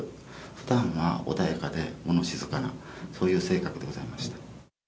ふだんは穏やかで物静かな、そういう性格でございました。